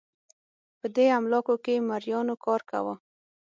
په دې املاکو کې مریانو کار کاوه.